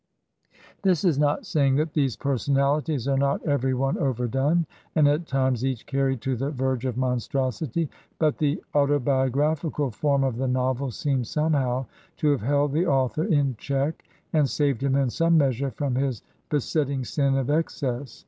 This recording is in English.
This is not saying that these personalities are not every one overdone, and at times each carried to the verge of monstrosity; but the autobiographical form of the novel seems somehow to have held the author in check, and saved him in some measure from his beset ting sin of excess.